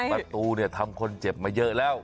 ประตูเนี่ยทำคนเจ็บมาเยอะแล้ว